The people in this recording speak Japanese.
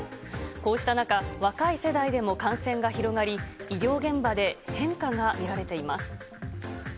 こうした中、若い世代でも感染が広がり、医療現場で変化が見られています。